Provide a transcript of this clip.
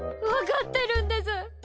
わかってるんです。